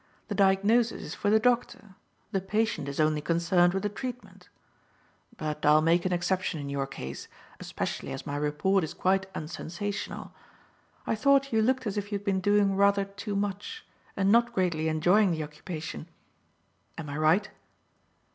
"The diagnosis is for the doctor; the patient is only concerned with the treatment. But I'll make an exception in your case, especially as my report is quite unsensational. I thought you looked as if you had been doing rather too much and not greatly enjoying the occupation. Am I right?"